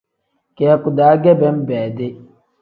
Kiyaku-daa ge benbeedi.